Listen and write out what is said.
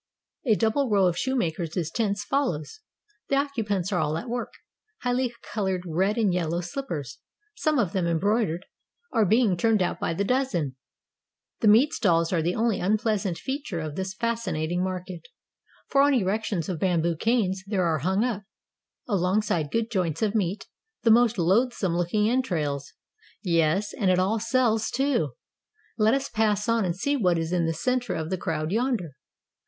A double row of shoemakers' tents follows. The occu pants are all at work; highly colored red and yellow slippers — some of them embroidered — are being turned out by the dozen. 335 NORTHERN AFRICA The meat stalls are the only unpleasant feature of this fascinating market, for on erections of bamboo canes there are hung up, alongside good joints of meat, the most loathsome looking entrails — yes, and it all sells too! Let us pass on and see what is the center of the crowd yonder.